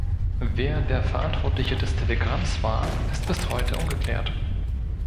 Wer der Verantwortliche des Telegramms war, ist bis heute ungeklärt.